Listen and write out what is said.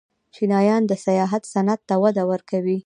چینایان د سیاحت صنعت ته وده ورکوي.